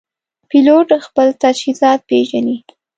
پیلوټ خپل تجهیزات پېژني.